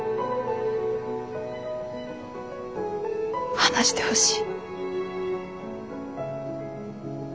話してほしい。